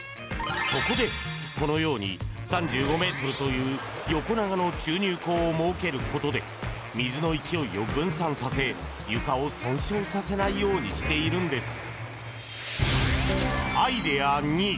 そこで、このように３５ｍという横長の注入口を設けることで水の勢いを分散させ床を損傷させないようにしているんです。